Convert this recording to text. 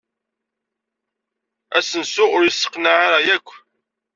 Asensu-a ur yesseqnaɛ ara akk.